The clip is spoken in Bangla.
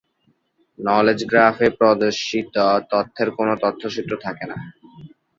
নলেজ গ্রাফ এ প্রদর্শিত তথ্যের কোন তথ্যসূত্র থাকে না।